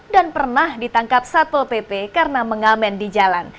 dan pernah ditangkap satu pp karena mengamen di jalan